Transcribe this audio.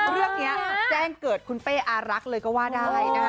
เรื่องนี้แจ้งเกิดคุณเป้อารักษ์เลยก็ว่าได้นะคะ